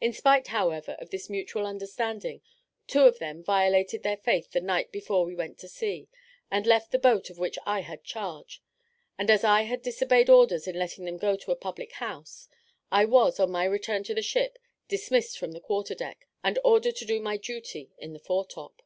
In spite, however, of this mutual understanding, two of them violated their faith the night before we went to sea, and left the boat of which I had charge; and as I had disobeyed orders in letting them go to a public house, I was, on my return to the ship, dismissed from the quarter deck, and ordered to do my duty in the fore top.